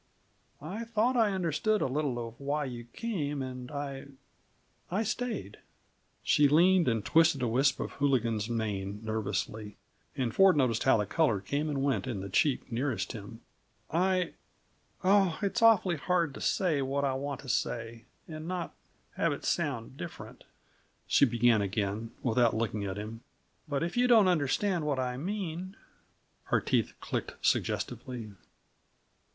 I thought I understood a little of why you came, and I I stayed." She leaned and twisted a wisp of Hooligan's mane nervously, and Ford noticed how the color came and went in the cheek nearest him. "I oh, it's awfully hard to say what I want to say, and not have it sound different," she began again, without looking at him. "But if you don't understand what I mean " Her teeth clicked suggestively.